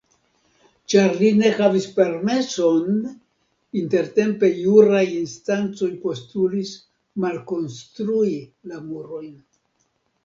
Ĉar li ne havis permeson, intertempe juraj instancoj postulis malkonstrui la murojn.